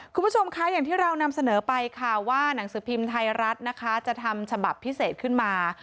คุณผู้ชมคะอย่างที่เรานำเสนอไปค่ะว่าหนังสือพิมพ์ไทยรัฐนะคะจะทำฉบับพิเศษขึ้นมา